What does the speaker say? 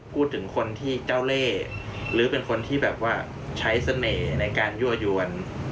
พูดถึงคนที่เจ้าเล่หรือเป็นคนที่แบบว่าใช้เสน่ห์ในการยั่วยวน